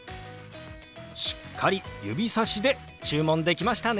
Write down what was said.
しっかり指さしで注文できましたね。